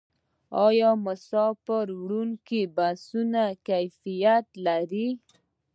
آیا د مسافروړونکو بسونو کیفیت ښه دی؟